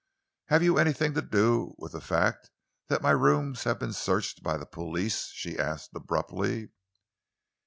"Have you anything to do with the fact that my rooms have been searched by the police?" she asked abruptly.